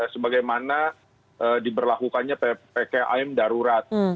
sebagaimana diberlakukannya ppkm darurat